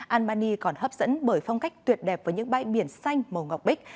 albany còn hấp dẫn bởi phong cách tuyệt đẹp với những bãi biển xanh màu ngọc bích